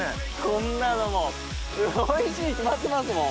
こんなのもうおいしいに決まってますもん。